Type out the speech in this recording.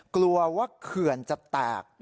กลัวว่าเขื่อนจะแตก